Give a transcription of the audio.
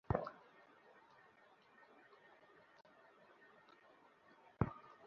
তাকে এখানে পাঠাও।